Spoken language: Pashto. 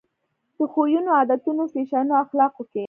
په خویونو، عادتونو، فیشنونو او اخلاقو کې.